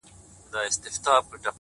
• کلونه کېږي د بلا په نامه شپه ختلې,